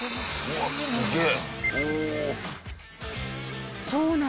うわっすげえ！